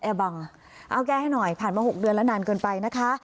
บังเอาแก้ให้หน่อยผ่านมา๖เดือนแล้วนานเกินไปนะคะ